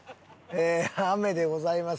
雨でございます。